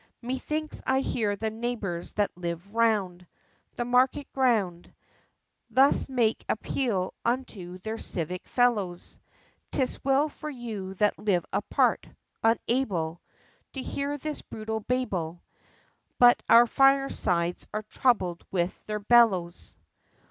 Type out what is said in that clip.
_ Methinks I hear the neighbors that live round The Market ground Thus make appeal unto their civic fellows "'Tis well for you that live apart unable To hear this brutal Babel, But our firesides are troubled with their bellows."